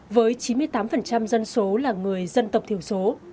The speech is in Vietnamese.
với chín mươi tám dân số là người dân tộc thiểu số